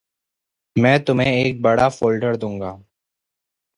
मैं तुम्हें एक बड़ा फ़ोल्डर दूँगा।